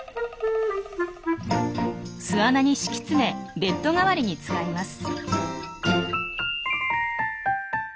巣穴に敷き詰めベッド代わりに使います。